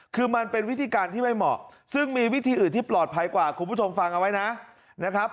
คือมันเป็นวิธีการที่ไม่เหมาะซึ่งมีวิธีอื่นที่ปลอดภัยกว่าคุณผู้ชมฟังเอาไว้นะครับ